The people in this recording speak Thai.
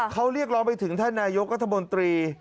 เขาเรียกร้องไปถึงท่านนายกรัฐมนตรี